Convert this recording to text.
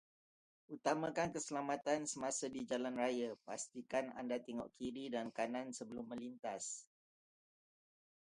Utamakan keselamatan semasa di jalan raya, pastikan anda tengok kiri dan kanan sebelum menlintas.